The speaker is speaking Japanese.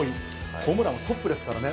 ホームランはトップですからね。